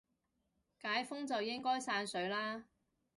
解封就應該散水啦